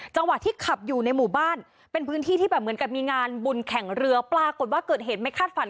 จังหวะที่ขับอยู่ในหมู่บ้านเป็นพื้นที่ที่แบบเหมือนกับมีงานบุญแข่งเรือปรากฏว่าเกิดเหตุไม่คาดฝัน